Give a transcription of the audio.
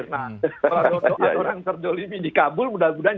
orang orang di jolomi di kabul mudah mudahan